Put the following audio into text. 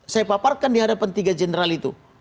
saya paparkan di hadapan tiga jenderal itu